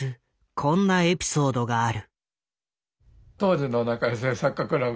こんなエピソードがある。